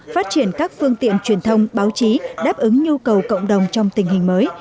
phát triển các phương tiện truyền thông báo chí đáp ứng nhu cầu cộng đồng trong tình hình mới